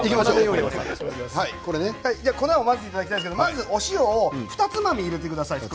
粉を混ぜていただきたいんですけどまず塩をふたつまみ入れてください。